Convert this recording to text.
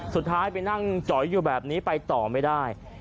สุดท้ายไปนั่งจอยอยู่แบบนี้ไปต่อไม่ได้